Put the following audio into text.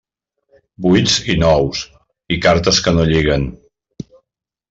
Vuits i nous, i cartes que no lliguen.